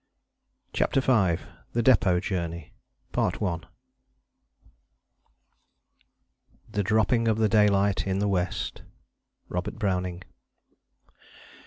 p. 138. CHAPTER V THE DEPÔT JOURNEY The dropping of the daylight in the west. ROBERT BROWNING.